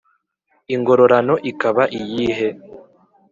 ingororano ikaba iyihe?